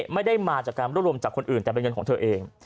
ไม่ได้มาจากการรวบรวมจากคนอื่นแต่เป็นเงินของเธอเอง